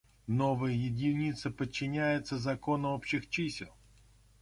Новая единица подчиняется закону общих чисел.